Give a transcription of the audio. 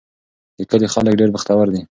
د کلي خلک ډېر بختور دي.